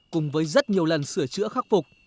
cùng với rất nhiều lần sửa chữa khắc phục